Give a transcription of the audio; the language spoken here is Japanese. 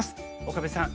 岡部さん